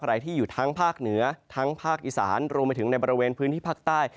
ใครที่อยู่ทั้งภาคเหนือทั้งภาคอีสานรวมไปถึงในบริเวณพื้นที่ภาคใต้